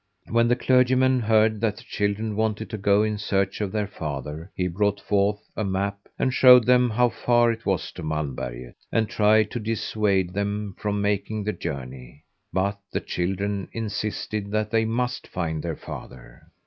When the clergyman heard that the children wanted to go in search of their father he brought forth a map and showed them how far it was to Malmberget and tried to dissuade them from making the journey, but the children insisted that they must find their father.